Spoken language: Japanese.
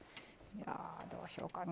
どうしようかな。